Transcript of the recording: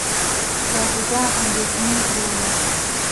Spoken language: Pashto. شاه شجاع اندیښنې یووړ.